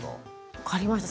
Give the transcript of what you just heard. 分かりました。